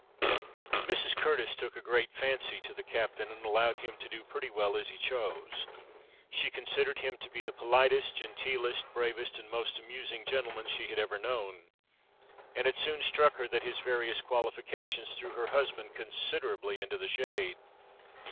Mrs. Curtis took a great fancy to the captain, and allowed him to do pretty well as he chose. She considered him to be the politest, genteelest, bravest, and most amusing gentleman she had ever known; and it soon struck her that his various qualifications threw her husband considerably into the shade.